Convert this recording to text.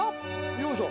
よいしょ。